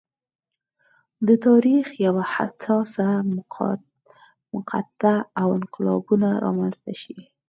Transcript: د تاریخ یوه حساسه مقطعه او انقلابونه رامنځته شي.